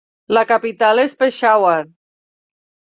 La capital és Peshawar.